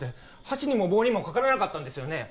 箸にも棒にもかからなかったんですよね